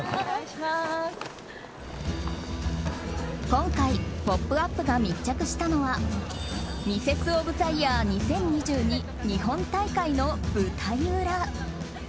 今回「ポップＵＰ！」が密着したのはミセスオブザイヤー２０２２日本大会の舞台裏。